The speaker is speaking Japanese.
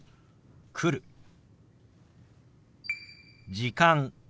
「時間」。